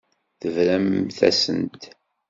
Tebramt-asent.